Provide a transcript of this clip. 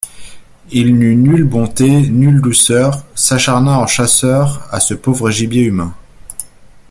Il n'eut nulle bonté, nulle douceur, s'acharna en chasseur à ce pauvre gibier humain.